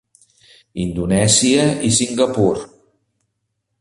Indonèsia i Singapur.